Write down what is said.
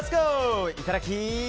いただき！